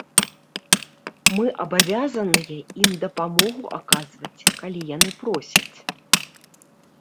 Мы абавязаныя ім дапамогу аказваць, калі яны просяць.